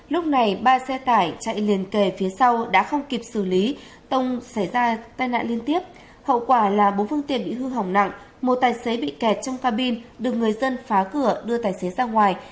lúc này ba xe tải chạy liền kề phía sau đã không kịp xử lý tông xảy ra tai nạn liên tiếp hậu quả là bốn phương tiện bị hư hỏng nặng một tài xế bị kẹt trong cabin được người dân phá cửa đưa tài xế ra ngoài